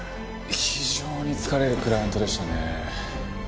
非常に疲れるクライアントでしたね。